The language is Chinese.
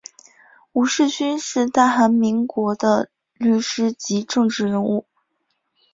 吴世勋是大韩民国的律师及政治人物。